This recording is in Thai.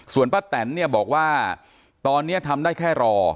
ส่วนป้าแตนเนี่ยบอกว่าตอนนี้ทำได้แค่รอ